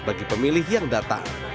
sebagai pemilih yang datang